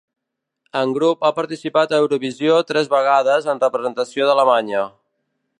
En grup ha participat a Eurovisió tres vegades en representació d'Alemanya.